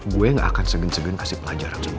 gue gak akan segen segen kasih pelajaran sama lo